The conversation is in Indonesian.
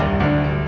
ate bisa menikah